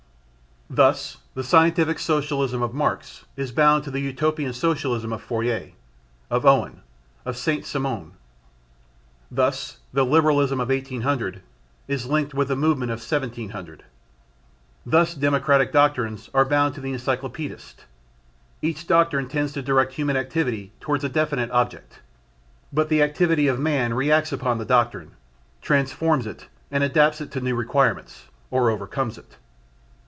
Thus the scientific Socialism of Marx is bound to the Utopian Socialism of Fourier, of Owen, of Saint Simon; thus the Liberalism of 1800 is linked with the movement of 1700. Thus Democratic doctrines are bound to the Encyclopaedists. Each doctrine tends to direct human activity towards a definite object; but the activity of man reacts upon the doctrine, transforms it and adapts it to new requirements, or overcomes it.